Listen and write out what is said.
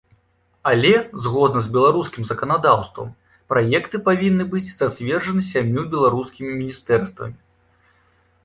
Але, згодна з беларускім заканадаўствам, праекты павінны быць зацверджаны сямю беларускімі міністэрствамі.